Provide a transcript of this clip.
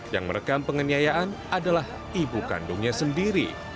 yang merekam penganiayaan adalah ibu kandungnya sendiri